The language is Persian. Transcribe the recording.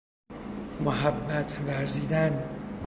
محبت ورزیدن